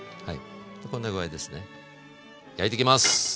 こんな具合ですね焼いてきます。